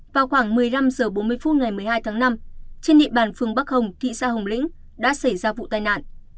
vào khoảng một mươi năm h bốn mươi phút ngày một mươi hai tháng năm trên địa bàn phường bắc hồng thị xã hồng lĩnh đã xảy ra vụ tai nạn